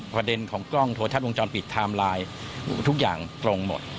ประเด็นของกล้องโทรทัศน์วงจรปิดไทม์ไลน์ทุกอย่างตรงหมด